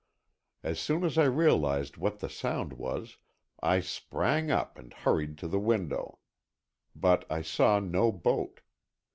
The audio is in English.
As soon as I realized what the sound was, I sprang up and hurried to the window. But I saw no boat.